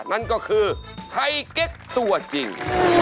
นั่นก็คือไทยเก็ตตัวจริง